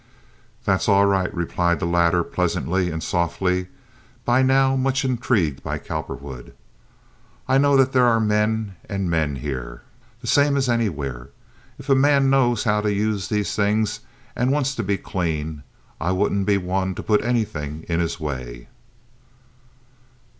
"That's all right," replied the latter, pleasantly and softly, by now much intrigued by Cowperwood. "I know that there are men and men here, the same as anywhere. If a man knows how to use these things and wants to be clean, I wouldn't be one to put anything in his way."